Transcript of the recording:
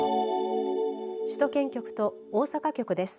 首都圏局と大阪局です。